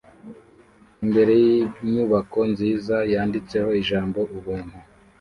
imbere yinyubako nziza yanditseho ijambo ubuntu